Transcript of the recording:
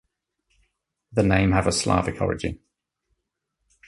The name have a Slavic origin.